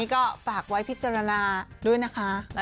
ก็ฝากไว้พิจารณาด้วยนะคะ